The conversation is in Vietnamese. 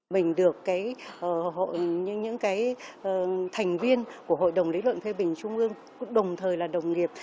mình được những thành viên của hội đồng lý luận phê bình trung ương đồng thời là đồng nghiệp